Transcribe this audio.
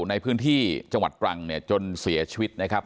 ในพื้นที่จังหวัดตรังเนี่ยจนเสียชีวิตนะครับ